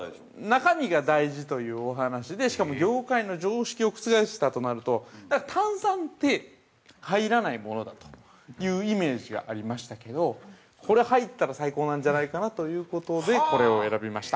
◆中身が大事というお話でしかも業界の常識を覆したとなると炭酸って入らないものだというイメージがありましたけどこれ入ったら最高なんじゃないかなということで、これを選びました。